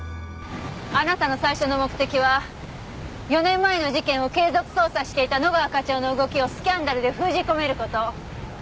あなたの最初の目的は４年前の事件を継続捜査していた野川課長の動きをスキャンダルで封じ込める事。